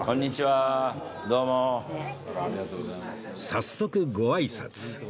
早速ご挨拶